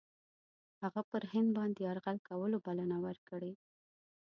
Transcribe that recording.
هغه پر هند باندي یرغل کولو بلنه ورکړې.